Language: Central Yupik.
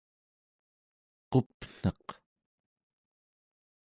qupneq